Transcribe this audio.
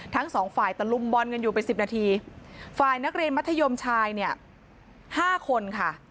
ทั้งสองฝ่ายตะลุมบอลกันอยู่ไปสิบนาทีฝ่ายนักเรียนมัธยมชายเนี่ยห้าคนค่ะ